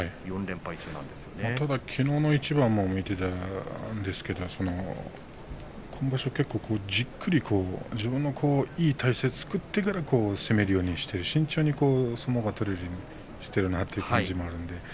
きのうの一番も見ていたんですが今場所は結構じっくりと自分のいい体勢を作ってから攻めるようにして慎重に相撲が取れるようにしている感じです。